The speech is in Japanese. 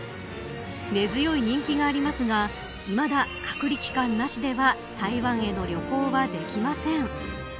根強い人気がありますがいまだ隔離期間なしでは台湾への旅行はできません。